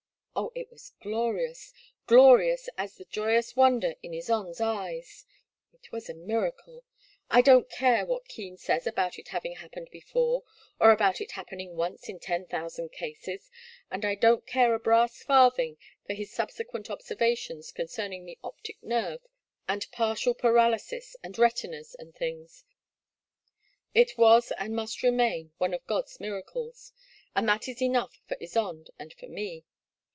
Oh, it was glorious — glorious as the joyous wonder in Ysonde' s eyes !— ^it was a miracle. I don't care what Keen says about it having hap pened before, or about it happening once in ten thousand cases, and I don't care a brass farthing for his subsequent observations concerning the optic nerve, and partial paralysis, and retinas, and things, — it was and must remain one of God's mir acles, and that is enough for Ysonde and for me.